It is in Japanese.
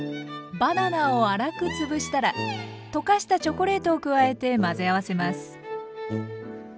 バナナを粗く潰したら溶かしたチョコレートを加えて混ぜ合わせます。